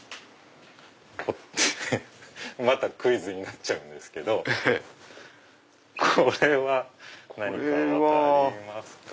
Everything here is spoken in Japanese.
またクイズになっちゃうんですけどこれは何か分かりますか？